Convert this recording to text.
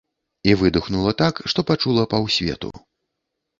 І выдыхнула так, што пачула паўсвету.